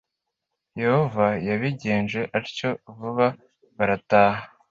Yehova yabigenje atyo vuba barataha